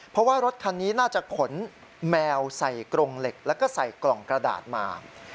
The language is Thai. เพราะว่ารถคันนี้น่าจะขนแมวใส่กรงเหล็กแล้วก็ใส่กล่องกระดาษมา